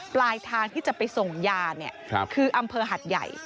ปลายทางที่จะไปส่งยาเนี่ยคืออำเภอหัดใหญ่